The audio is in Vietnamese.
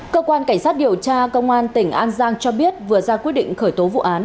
cơ quan cảnh sát điều tra công an tỉnh an giang cho biết vừa ra quyết định khởi tố vụ án